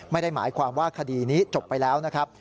ไม่ได้หมายความว่าคดีนี้จบไปแล้วนะครับ